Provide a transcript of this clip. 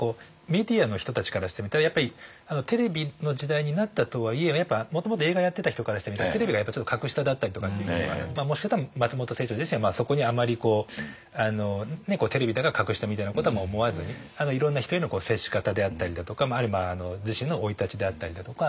メディアの人たちからしてみたらやっぱりテレビの時代になったとはいえやっぱもともと映画やってた人からしてみたらテレビがやっぱちょっと格下だったりとかっていうことがもしかしたら松本清張自身はそこにあまりこうテレビだから格下みたいなことは思わずにいろんな人への接し方であったりだとか自身の生い立ちであったりだとか。